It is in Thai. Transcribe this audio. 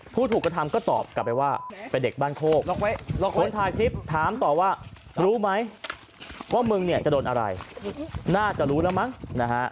พูดถูกกระทำก็ตอบกลับมั้ยว่าเป็นเด็กบ้านโคบโซนถ่ายคลิปถามตอบว่ารู้มั้ยว่ามึงจะโดนอะไรหน้าจะรู้แล้วมั้งนะฮะ